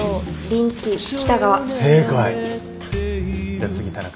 じゃあ次田中。